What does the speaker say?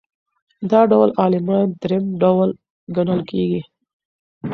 دا ډول عالمان درېیم ډول ګڼل کیږي.